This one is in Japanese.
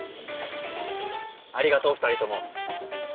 ありがとう２人とも。